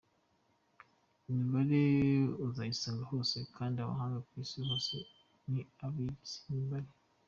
Imibare uzayisanga hose kandi abahanga ku isi hose ni abize imibare.